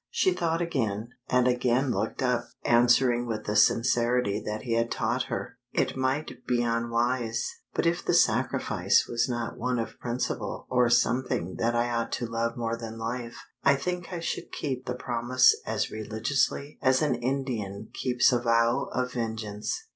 She thought again, and again looked up, answering with the sincerity that he had taught her "It might be unwise, but if the sacrifice was not one of principle or something that I ought to love more than life, I think I should keep the promise as religiously as an Indian keeps a vow of vengeance."